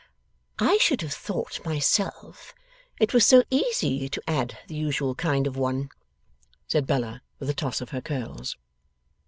'I should have thought, myself, it was so easy to add the usual kind of one,' said Bella, with a toss of her curls.